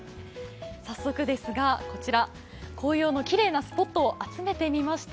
早速ですが、こちら、紅葉のきれいなスポットを集めてみました。